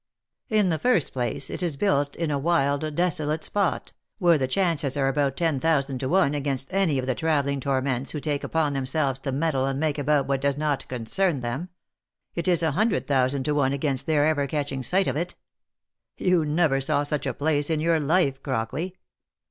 In the first place it is built in a wild desolate spot, where the chances are about ten thousand to one against 120 THE LIFE AND ADVENTURES any of the travelling torments who take upon themselves to meddle and make about what does not concern them — it is a hundred thou sand to one against their ever catching sight of it. You never saw such a place in your life, Crockley.